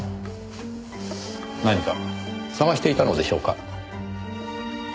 何か探していたのでしょうか？